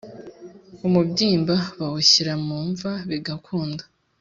Umubyimba bawushyira mu mva bigakunda